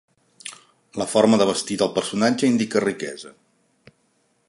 La forma de vestir del personatge indica riquesa.